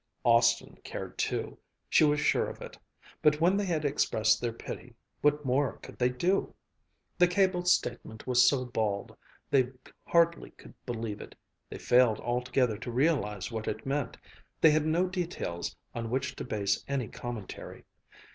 Austin cared too: she was sure of it; but when they had expressed their pity, what more could they do? The cabled statement was so bald, they hardly could believe it they failed altogether to realize what it meant they had no details on which to base any commentary.